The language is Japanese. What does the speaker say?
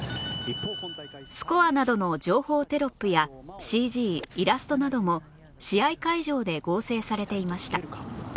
スコアなどの情報テロップや ＣＧ イラストなども試合会場で合成されていました